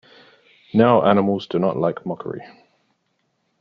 Now animals do not like mockery.